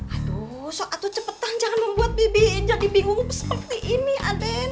aduh saat itu cepetan jangan membuat bibi jadi bingung seperti ini aden